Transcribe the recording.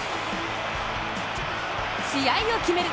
試合を決める